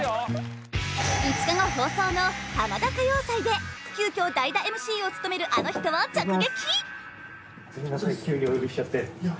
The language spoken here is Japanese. ５日後放送の「ハマダ歌謡祭」で急きょ代打ＭＣを務めるあの人を直撃！